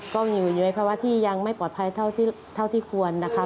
ก็มีอยู่ในภาวะที่ยังไม่ปลอดภัยเท่าที่ควรนะคะ